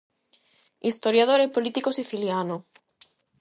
Historiador e político siciliano.